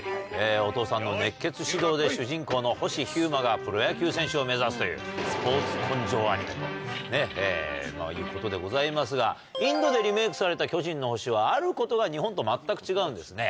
お父さんの熱血指導で主人公の星飛雄馬がプロ野球選手を目指すという、スポーツ根性アニメということでございますが、インドでリメークされた巨人の星は、あることが日本と全く違うんですね。